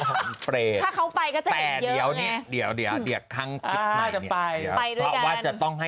ค่ะเขาก็จะเห็นเยอะแง่ะเดี๋ยวทีก็จะไปต้องให้เห็น